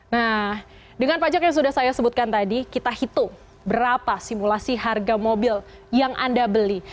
nah dengan pajak yang sudah saya sebutkan tadi kita hitung berapa simulasi harga mobil yang anda beli